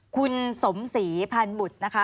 คุณสมศรีพันบุตรนะคะ